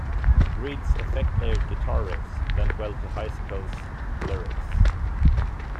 Reed's effect layered guitar riffs lent well to Heiskell's lyrics.